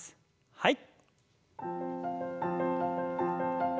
はい。